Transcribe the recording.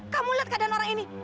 kamu lihat keadaan orang ini